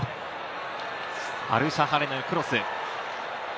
アルシャハラニのクロス。